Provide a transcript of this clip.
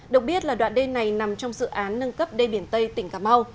được biết là đoạn đê này nằm trong dự án nâng cấp đê biển tây tỉnh cà mau